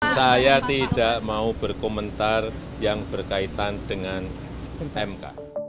saya tidak mau berkomentar yang berkaitan dengan mk